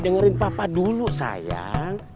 dengarin papa dulu sayang